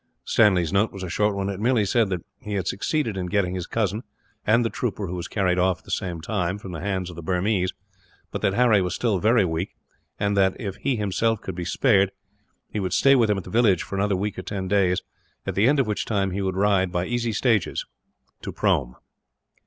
Stanley's note was a short one. It merely said that he had succeeded in getting his cousin, and the trooper who was carried off at the same time, from the hands of the Burmese, but that Harry was still very weak; and that, if he himself could be spared, he would stay with him at the village for another week or ten days, at the end of which time he would ride, by easy stages, to Prome.